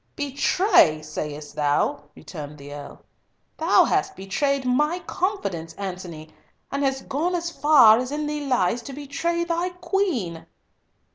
"Betray, sayest thou!" returned the Earl. "Thou hast betrayed my confidence, Antony, and hast gone as far as in thee lies to betray thy Queen."